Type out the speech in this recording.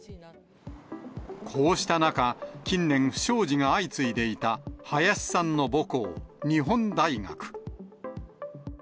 こうした中、近年、不祥事が相次いでいた林さんの母校、日本大学。